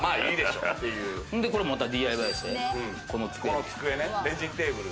これもレジンテーブル。